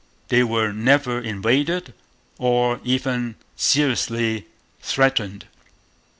They were never invaded, or even seriously threatened.